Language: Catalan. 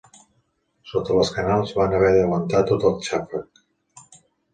Sota les canals, van haver d'aguantar tot el xàfec.